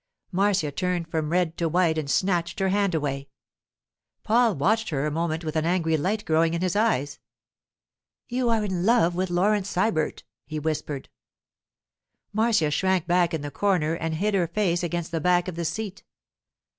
Marcia turned from red to white and snatched her hand away. Paul watched her a moment with an angry light growing in his eyes. 'You are in love with Laurence Sybert!' he whispered. Marcia shrank back in the corner and hid her face against the back of the seat.